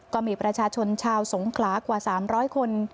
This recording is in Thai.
ก็มีประชาชนชาวสงขลากว่า๓๐๐คน